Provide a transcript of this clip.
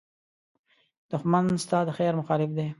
دښمن ستا د خېر مخالف دی